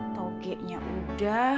toge nya udah